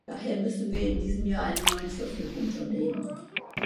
Daher müssen wir in diesem Jahr einen neuen Versuch unternehmen.